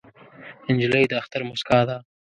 نجلۍ د اختر موسکا ده.